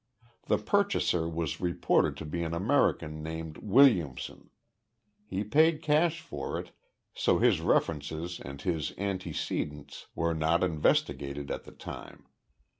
The purchaser was reported to be an American named Williamson. He paid cash for it, so his references and his antecedents were not investigated at the time.